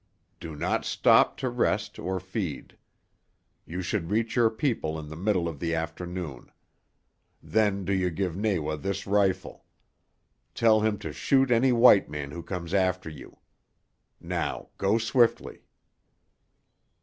Do not stop to rest or feed. You should reach your people in the middle of the afternoon. Then do you give Nawa this rifle. Tell him to shoot any white man who comes after you. Now go swiftly."